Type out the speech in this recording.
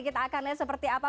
kita akan lihat seperti apa